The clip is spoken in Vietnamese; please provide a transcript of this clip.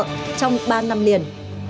trong ba năm liền